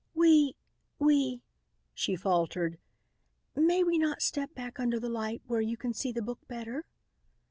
"We we " she faltered " may we not step back under the light where you can see the book better?"